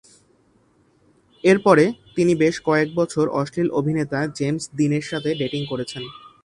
এরপরে, তিনি বেশ কয়েক বছর অশ্লীল অভিনেতা জেমস দীনের সাথে ডেটিং করেছেন।